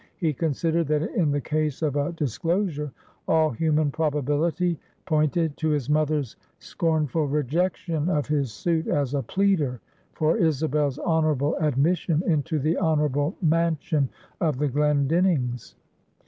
He considered that in the case of a disclosure, all human probability pointed to his mother's scornful rejection of his suit as a pleader for Isabel's honorable admission into the honorable mansion of the Glendinnings.